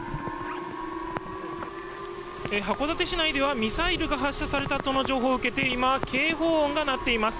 函館市内ではミサイルが発射されたとの情報を受けて今、警報音が鳴っています。